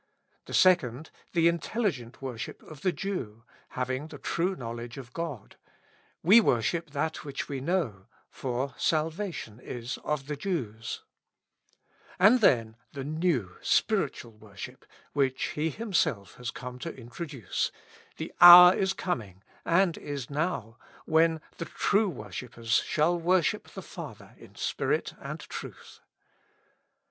The second, the intelligent worship of the Jew, having the true knowledge of God : 2 17 With Christ in the School of Prayer. " We worship that which we know, for salvation is of the Jews." And then the new, the spiritual worship which He Himself has come to introduce: "The hour is coming, and is now, when the true worship pers shall worship the Father in spirit and truth.''